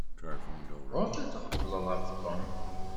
Ɣur-k ad tɣefleḍ ɣef Tom.